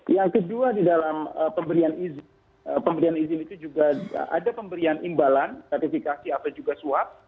yang kedua di dalam pemberian izin itu juga ada pemberian imbalan gratifikasi atau juga suap